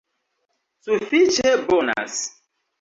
Sufiĉe bonas